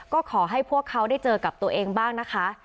ก็ขอให้พวกเขาได้เจอกับตัวเองบ้างนะคะ